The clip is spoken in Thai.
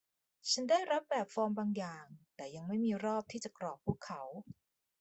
ฉันได้รับแบบฟอร์มบางอย่าง แต่ยังไม่มีรอบที่จะกรอกพวกเขา